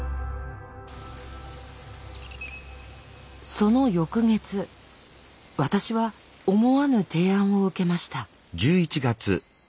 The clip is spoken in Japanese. その翌月私は思わぬ提案を受けました。